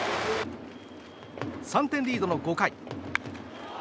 ３点リードの５回。